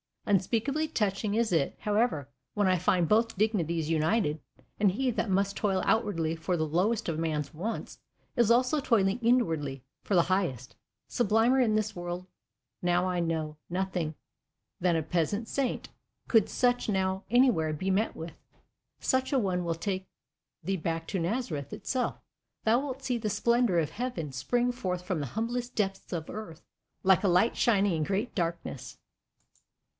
Unspeakably touching is it, however, when I find both dignities united; and he, that must toil outwardly for the lowest of man's wants, is also toiling inwardly for the highest. Sublimer in this world know I nothing than a Peasant Saint, could such now anywhere be met with. Such a one will take thee back to Nazareth itself; thou wilt see the splendour of Heaven spring forth from the humblest depths of Earth, like a light shining in great darkness.